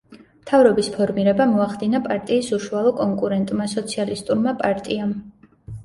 მთავრობის ფორმირება მოახდინა პარტიის უშუალო კონკურენტმა სოციალისტურმა პარტიამ.